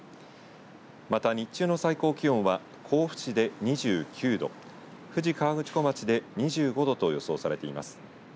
また、日中の最高気温は甲府市で２９度富士河口湖町で２５度と予想されています。